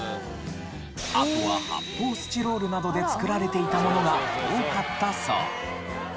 あとは発泡スチロールなどで作られていたものが多かったそう。